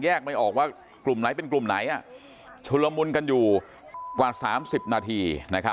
ไม่ออกว่ากลุ่มไหนเป็นกลุ่มไหนชุลมุนกันอยู่กว่า๓๐นาที